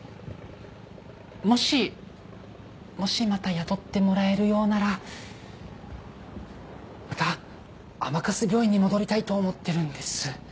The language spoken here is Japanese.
もしもしまた雇ってもらえるようならまた甘春病院に戻りたいと思ってるんです。